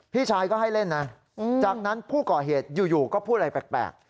พี่ชายก็ให้เล่นนะจากนั้นผู้ก่อเหตุอยู่ก็พูดอะไรแปลก